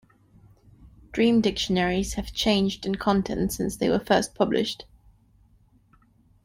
Dream dictionaries have changed in content since they were first published.